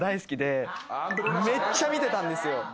めっちゃ見てたんですよ。